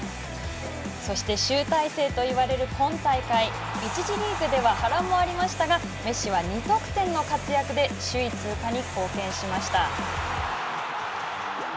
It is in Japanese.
そして集大成といわれる今大会１次リーグでは波乱もありましたがメッシは２得点の活躍で首位通過に貢献しました。